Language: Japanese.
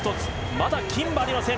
まだ金はありません。